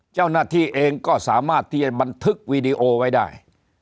เจ้าหน้าที่เองก็สามารถที่จะบันทึกวีดีโอไว้ได้